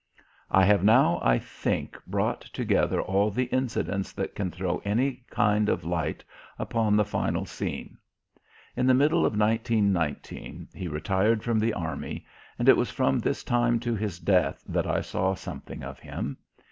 I have now, I think, brought together all the incidents that can throw any kind of light upon the final scene. In the middle of 1919 he retired from the army, and it was from this time to his death that I saw something of him.